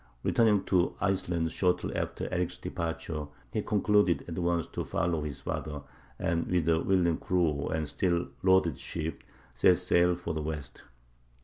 Returning to Iceland shortly after Erik's departure, he concluded at once to follow his father, and, with a willing crew and still loaded ship, set sail for the west.